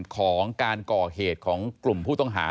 ของการก่อเหตุของกลุ่มผู้ต้องหา